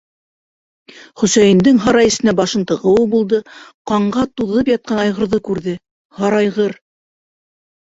- Хөсәйендең һарай эсенә башын тығыуы булды - ҡанға туҙып ятҡан айғырҙы күрҙе... - һарайғыр...